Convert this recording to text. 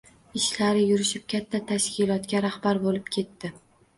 Ishlari yurishib, katta tashkilotga rahbar bo‘lib ketdi